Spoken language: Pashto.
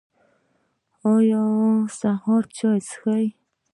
ایا سهار چای څښئ؟